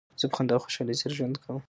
زه په خندا او خوشحالۍ سره ژوند کوم.